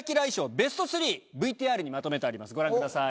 ベスト ３ＶＴＲ にまとめてありますご覧ください。